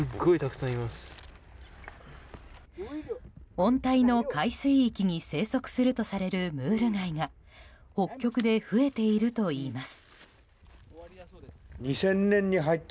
温帯の海水域に生息するとされるムール貝が北極で増えているといいます。